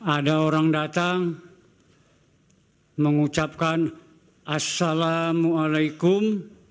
ada orang datang mengucapkan assalamualaikum